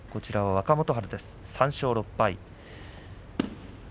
若元春は３勝６敗。